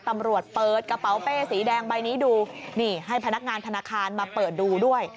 เปิดกระเป๋าเป้สีแดงใบนี้ดูนี่ให้พนักงานธนาคารมาเปิดดูด้วย